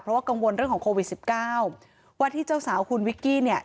เพราะว่ากังวลเรื่องของโควิดสิบเก้าว่าที่เจ้าสาวคุณวิกกี้เนี่ย